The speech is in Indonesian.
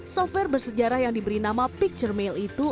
software bersejarah yang diberi nama picture mail itu